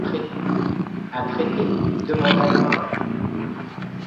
À traiter? demanda le marin.